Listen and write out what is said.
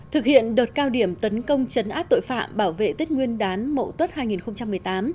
thực hiện đợt cao điểm tấn công chấn áp tội phạm bảo vệ tết nguyên đán mậu tuất hai nghìn một mươi tám